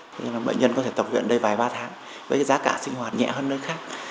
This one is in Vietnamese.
thế nên là bệnh nhân có thể tập viện ở đây vài ba tháng với giá cả sinh hoạt nhẹ hơn nơi khác